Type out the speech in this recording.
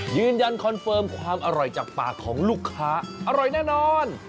ยืนยันคอนเฟิร์มความอร่อยจากปากของลูกค้าอร่อยแน่นอน